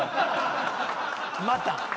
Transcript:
また。